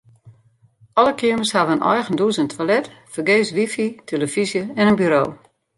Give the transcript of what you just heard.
Alle keamers hawwe in eigen dûs en toilet, fergees wifi, tillefyzje en in buro.